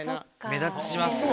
目立ちますよね